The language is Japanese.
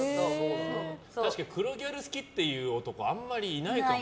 確かに黒ギャル好きって男あんまりいないかも。